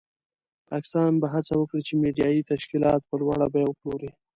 پاکستان به هڅه وکړي چې میډیایي تشکیلات په لوړه بیه وپلوري.